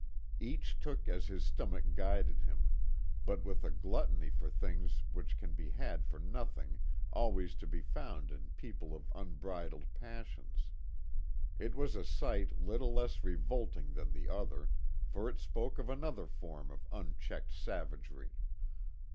Each took as his stomach guided him, but with a gluttony for things which can be had for nothing always to be found in people of unbridled passions. It was a sight little less revolting than the other, for it spoke of another form of unchecked savagery.